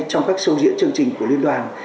trong các sâu diễn chương trình của liên đoàn